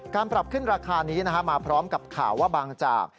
ปรับขึ้นราคานี้มาพร้อมกับข่าวว่าบางจาก